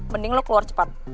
mending lo keluar cepat